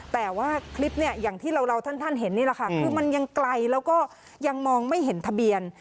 แต่ว่าคลิปเนี่ยอย่างที่เราท่านเห็นนี่แหละค่ะคือมันยังไกลแล้วก็ยังมองไม่เห็นทะเบียน